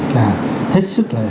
là hết sức là